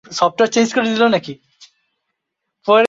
আমাদের বিভাগ কিভাবে কাজ করে, তোমার গর্ব হবে।